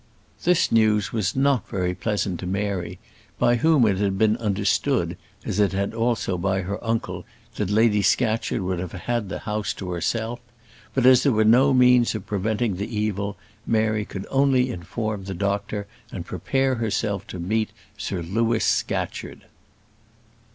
This news was not very pleasant to Mary, by whom it had been understood, as it had also by her uncle, that Lady Scatcherd would have had the house to herself; but as there were no means of preventing the evil, Mary could only inform the doctor, and prepare herself to meet Sir Louis Scatcherd.